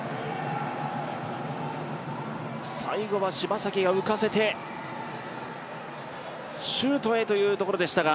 最後は柴崎が浮かせて、シュートへというところでしたが。